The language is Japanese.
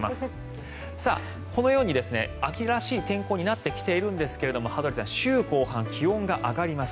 このように秋らしい天候になってきているんですが羽鳥さん、週後半気温が上がります。